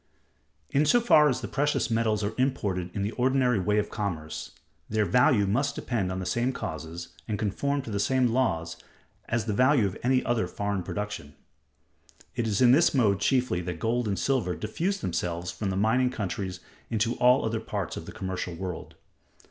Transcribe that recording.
In so far as the precious metals are imported in the ordinary way of commerce, their value must depend on the same causes, and conform to the same laws, as the value of any other foreign production. It is in this mode chiefly that gold and silver diffuse themselves from the mining countries into all other parts of the commercial world.